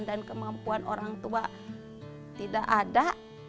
dan kemampuan orang tua tidak ada